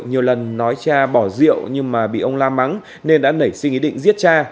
nhiều lần nói cha bỏ rượu nhưng mà bị ông la mắng nên đã nảy sinh ý định giết cha